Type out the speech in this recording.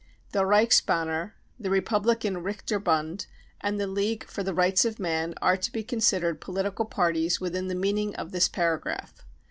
The Reichs banner, the Republican Richterbund, and the League for the Rights of Man are to be considered political parties within the meaning of this paragraph.